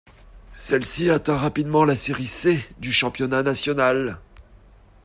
Celle-ci atteint rapidement la série C du championnat national.